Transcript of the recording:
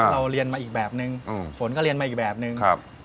เราเรียนมาอีกแบบนึงฝนก็เรียนมาอีกแบบนึง